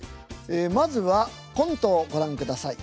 まずはコントをご覧ください。